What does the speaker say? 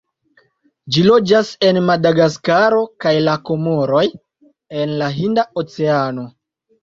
Ĝi loĝas en Madagaskaro kaj la Komoroj en la Hinda Oceano.